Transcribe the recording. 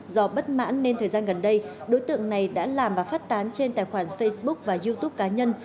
do bất mãn nên thời gian gần đây đối tượng này đã làm và phát tán trên tài khoản facebook và youtube cá nhân